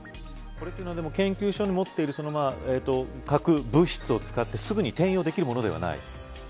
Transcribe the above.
これというのは研究所の持っている核物質を使ってすぐに転用できるものではない。